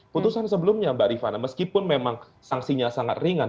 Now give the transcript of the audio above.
putusan sebelumnya mbak rifana meskipun memang sanksinya sangat ringan